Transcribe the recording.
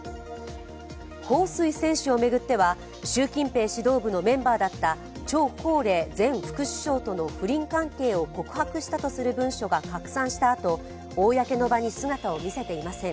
彭帥選手を巡っては習近平指導部のメンバーだった張高麗前副首相との不倫関係を告白したとする文書が拡散したあと公の場に姿を見せていません。